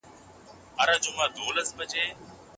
هيڅ ټولنه له اقتصادي پرمختيا پرته نيکمرغۍ ته نه رسيږي.